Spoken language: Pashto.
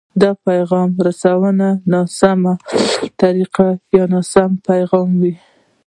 د پيغام رسولو ناسمه طريقه يا ناسم پيغام وي.